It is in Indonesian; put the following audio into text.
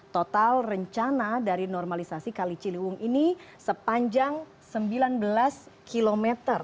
total rencana dari normalisasi kali ciliwung ini sepanjang sembilan belas km